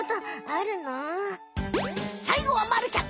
さいごはまるちゃん！